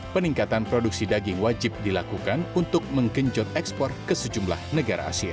peningkatan produksi daging wajib dilakukan untuk menggenjot ekspor ke sejumlah negara asia